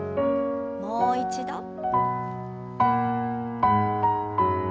もう一度。